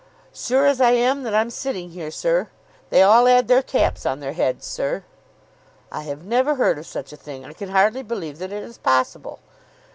"Sure as I am that I'm sitting here, sir. They all 'ad their caps on their heads, sir." "I have never heard of such a thing. I can hardly believe that it is possible.